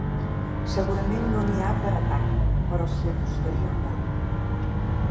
Segurament no n’hi ha per a tant, però s’hi acostaria molt.